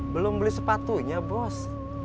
belum beli sepatunya bos